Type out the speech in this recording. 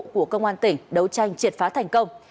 của công an tỉnh đấu tranh triệt phá thành công